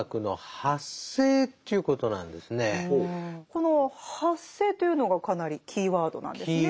この「発生」というのがかなりキーワードなんですね。